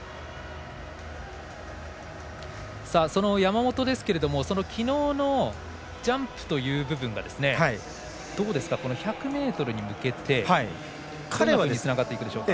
その山本ですけれどもきのうのジャンプという部分どうですか、１００ｍに向けてどのようにつながっていくでしょうか。